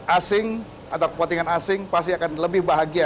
asing atau kepentingan asing pasti akan lebih bahagia